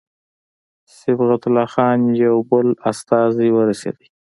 صبغت الله خان یو بل استازی ورسېدی.